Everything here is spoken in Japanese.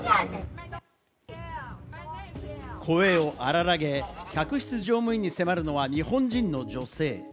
声を荒げ、客室乗務員に迫るのは日本人の女性。